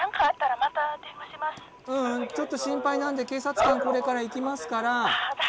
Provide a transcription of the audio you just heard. ううんちょっと心配なんで警察官これから行きますから。